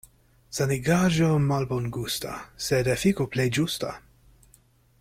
Sanigaĵo malbongusta, sed efiko plej ĝusta.